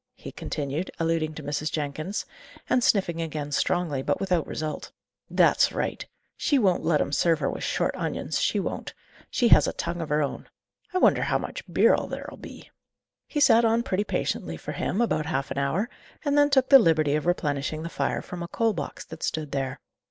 he continued, alluding to Mrs. Jenkins, and sniffing again strongly, but without result. "That's right! she won't let 'em serve her with short onions, she won't; she has a tongue of her own. I wonder how much beer there'll be!" He sat on pretty patiently, for him, about half an hour, and then took the liberty of replenishing the fire from a coal box that stood there.